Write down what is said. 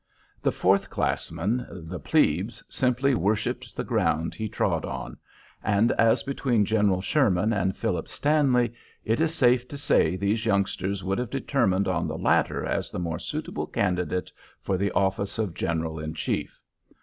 The fourth classmen the "plebes" simply worshipped the ground he trod on, and as between General Sherman and Philip Stanley, it is safe to say these youngsters would have determined on the latter as the more suitable candidate for the office of general in chief.